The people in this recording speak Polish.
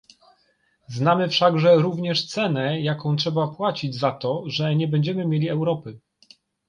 Znamy wszakże również cenę, jaką trzeba płacić za to, że nie będziemy mieli Europy